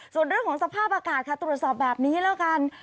ส่วนเรื่องของสภาพอากาศค่ะตรวจสอบแบบนี้แล้วกัน